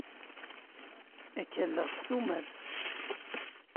Ad k-alleɣ s tumert.